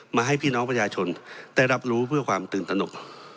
ให้พี่น้องประชาชนได้รับรู้เพื่อความตื่นตนก